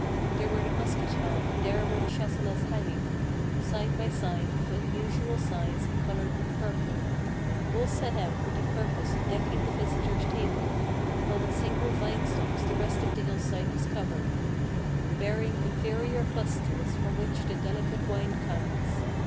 There were the Muscatel, and there were the Chasselas hanging Side by side, of unusual size and colored with purple, All set out with the purpose of decking the visitor's table; While with single vine stocks the rest of the hillside was covered, Bearing inferior clusters, from which the delicate wine comes.